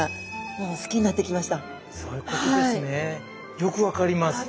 よく分かります。